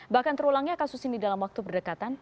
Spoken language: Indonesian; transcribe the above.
bahkan terulangnya kasus ini dalam waktu berdekatan